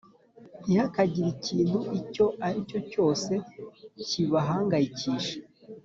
Ntihakagire ikintu icyo ari cyo cyose kibahangayikisha